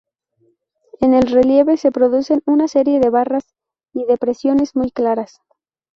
En el relieve se producen una serie de barras y depresiones muy claras.